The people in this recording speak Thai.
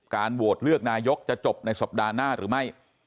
โหวตเลือกนายกจะจบในสัปดาห์หน้าหรือไม่